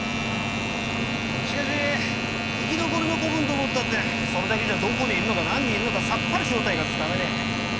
しかし生き残りの子分どもったってそれだけじゃどこにいるのか何人いるのかさっぱり正体がつかめねえ。